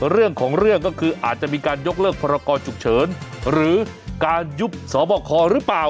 เรื่องของเรื่องก็คืออาจจะมีการยกเลิกพรกรฉุกเฉินหรือการยุบสบคหรือเปล่า